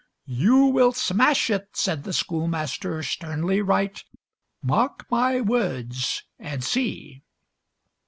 "You will smash it," said the schoolmaster, sternly right, "Mark my words and see!"